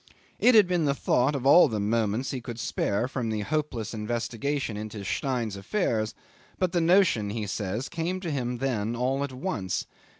It had been the thought of all the moments he could spare from the hopeless investigation into Stein's affairs, but the notion he says came to him then all at once.